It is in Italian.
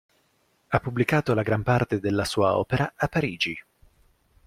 Ha pubblicato la gran parte della sua opera a Parigi.